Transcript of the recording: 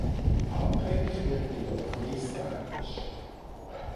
Patrick wird jedoch misstrauisch.